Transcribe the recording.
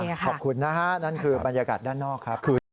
แต่ว่ากลุ่มแนวด้วนธรรมาศาสตร์